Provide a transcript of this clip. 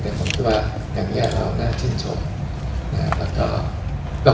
แต่ผมคิดว่าอย่างนี้เราน่าชื่นชมนะครับ